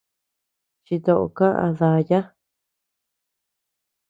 Chito kaʼa daya.